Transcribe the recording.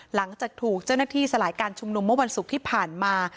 หลังจากถูกเจ้าหน้าที่สลายการชุมนุมเมื่อวันศุกร์ที่ผ่านมา